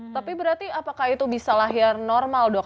tapi berarti apakah itu bisa lahir normal dok